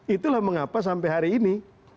itulah mengapa sampai hari ini